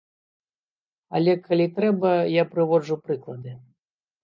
Але калі трэба, я прыводжу прыклады.